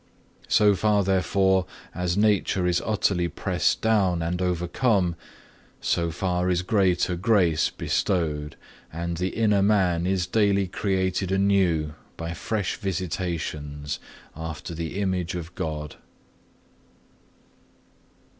So far therefore as Nature is utterly pressed down and overcome, so far is greater Grace bestowed and the inner man is daily created anew by fresh visitations, after the image of God.